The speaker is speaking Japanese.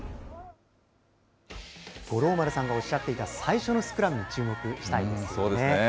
五郎丸さんがおっしゃっていた最初のスクラムに注目したいでそうですね。